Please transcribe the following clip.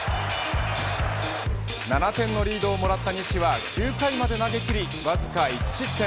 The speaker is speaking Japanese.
７点のリードをもらった西は９回まで投げ切りわずか１失点